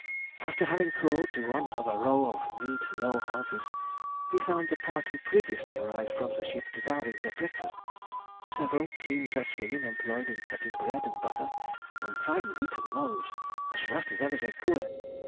"After having crawled to one of a row of neat low houses, we found the party previously arrived from the ship devouring their breakfast; several clean dressed women employed in cutting bread and butter (from fine wheaten loaves) as fast as ever they could.